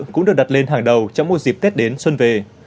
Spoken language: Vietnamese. cũng được đặt lên hàng đầu trong một dịp tết đến xuân về